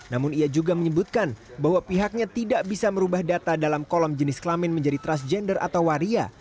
namun ia juga menyebutkan bahwa pihaknya tidak bisa merubah data dalam kolom jenis kelamin menjadi transgender atau waria